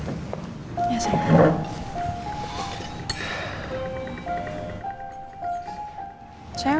panti asuhan mutiara bunda